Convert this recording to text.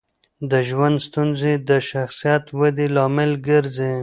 د ژوند ستونزې د شخصیت ودې لامل ګرځي.